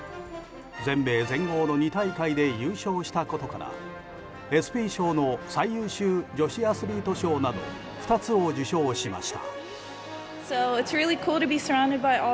全米、全豪の２大会で優勝したことから、ＥＳＰＹ賞最優秀女子アスリート賞など２つの賞を受賞しました。